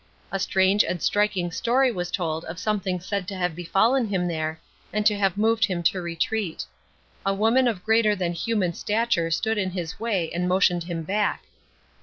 A strange and striking story was told of something said to have befallen him there, and to have moved him to retreat. A woman of greater than human stature stood in his way and motioned him back.